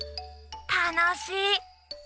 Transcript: たのしい。